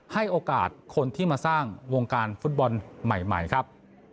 ให้โอกาสคนที่มาสร้างวงการฟุตบอลใหม่ครับ